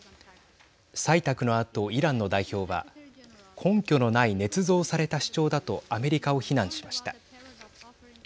採択のあとイランの代表は根拠のないねつ造された主張だとアメリカを非難しました。